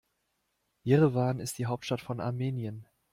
Jerewan ist die Hauptstadt von Armenien.